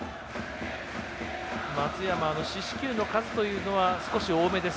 松山は、四死球の数というのは少し多めです。